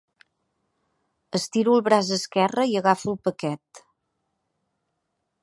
Estiro el braç esquerre i agafo el paquet.